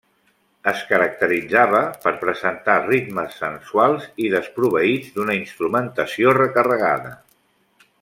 Es caracteritzava per presentar ritmes sensuals i desproveïts d'una instrumentació recarregada.